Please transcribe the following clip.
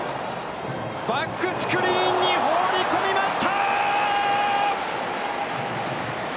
バックスクリーンに放り込みました！